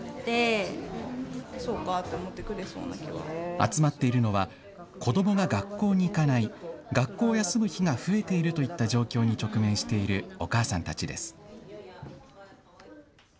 集まっているのは、子どもが学校に行かない、学校を休む日が増えているといった状況に直面しているお母さんたちです。